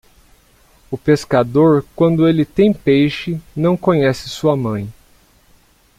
O pescador, quando ele tem peixe, não conhece sua mãe.